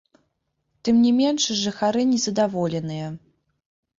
Тым не менш, жыхары незадаволеныя.